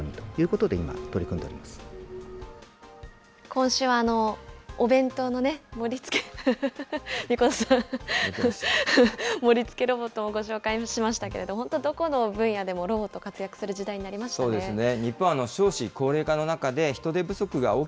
今週はお弁当の盛りつけ、神子田さん、盛りつけロボットもご紹介しましたけれども、本当、どこの分野でもロボット、活躍する時代になりましたね。